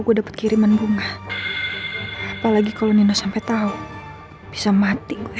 gue dapet kiriman bunga apalagi kalau nino sampai tahu bisa mati gue